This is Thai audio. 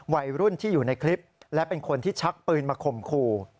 วัยรุ่นที่อยู่ในคลิปและเป็นคนที่ชักปืนมาข่มขู่